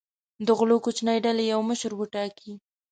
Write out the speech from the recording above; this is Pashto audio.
د غلو کوچنۍ ډلې یو مشر وټاکي.